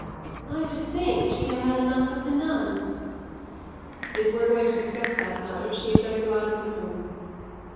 "I should think she had had enough of the nuns." "If we're going to discuss that matter she had better go out of the room."